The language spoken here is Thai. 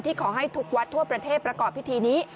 ขอให้ทุกวัดทั่วประเทศประกอบพิธีนี้